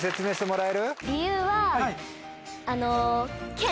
理由は。